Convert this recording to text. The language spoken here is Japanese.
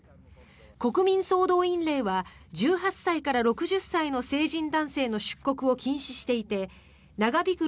国民総動員令は１８歳から６０歳の成人男性の出国を禁止していて長引く